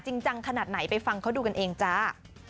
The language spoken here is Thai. เร่งปั๊มลูกค่า